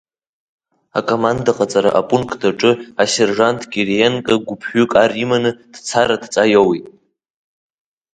Акомандаҟаҵара апункт аҿы асержант Кириенко гәыԥҩык ар иманы дцарц адҵа иоуит.